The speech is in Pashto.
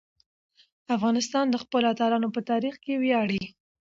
افغانستان د خپلو اتلانو په تاریخ ویاړي.